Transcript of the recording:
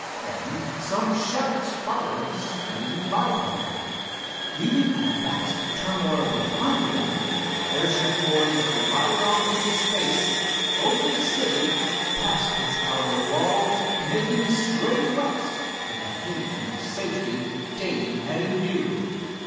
Then some shouts followed the speeding biplane. Leaving a vast turmoil behind them, the airship boys glided off into space, over the city, past its outer walls, making straight west for the haven of safety Dave had in view.